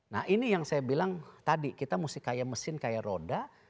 nah ini yang saya bilang tadi kita mesti kayak mesin kayak roda